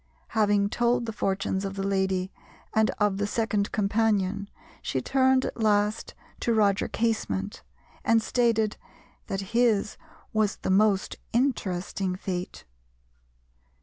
Having told the fortunes of the lady and of the second companion, she turned at last to Roger Casement, and stated that his was the most interesting fate.